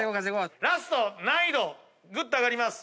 ラスト難易度ぐっと上がります。